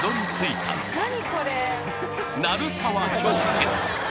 鳴沢氷穴